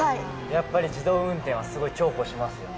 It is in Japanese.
やっぱり自動運転はすごい重宝しますよね